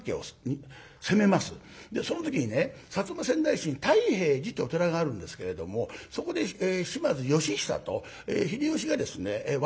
その時にね薩摩川内市に泰平寺ってお寺があるんですけれどもそこで島津義久と秀吉がですね和睦を結ぶんですね。